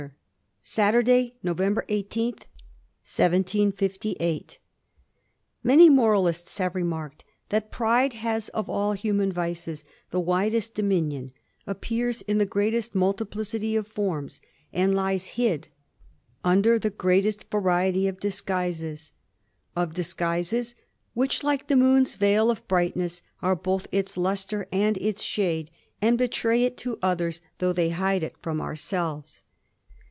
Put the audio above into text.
* Saturday y November i8, 1758. IV yr ANY moralists have remarked, that pride has of J ^^^ human vices the widest dominion, appears in tl greatest multiplicity of forms, and lies hid under the greate variety of disguises ; of disguises, which, like the moor veil of brightness^ are both its lustre and its shade^ ai betray it to others, though they hide it from ourselves.